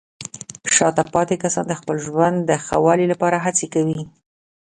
شاته پاتې کسان د خپل ژوند د ښه والي لپاره هڅې کوي.